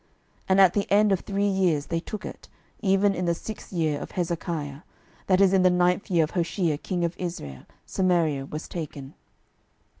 12:018:010 And at the end of three years they took it: even in the sixth year of Hezekiah, that is in the ninth year of Hoshea king of Israel, Samaria was taken.